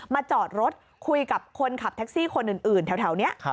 จอดรถคุยกับคนขับแท็กซี่คนอื่นแถวนี้